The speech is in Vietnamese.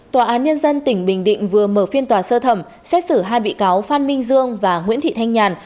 tòa án nhân dân tỉnh bình định vừa mở phiên tòa sơ thẩm xét xử hai bị cáo phan minh dương và nguyễn thị thanh nhàn